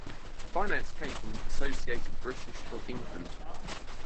Finance came from Associated British of England.